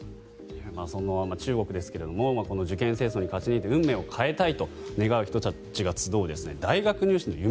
そんな中国ですが受験戦争に勝ち抜いて運命を変えたいという人が集う大学入試の夢